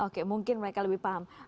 oke mungkin mereka lebih paham